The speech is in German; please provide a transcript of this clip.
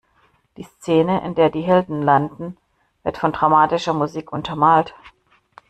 Die Szene, in der die Helden landen, wird von dramatischer Musik untermalt.